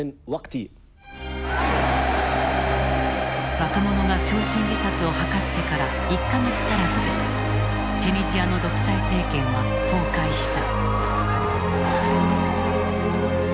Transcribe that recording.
若者が焼身自殺を図ってから１か月足らずでチュニジアの独裁政権は崩壊した。